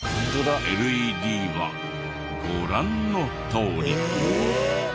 ＬＥＤはご覧のとおり。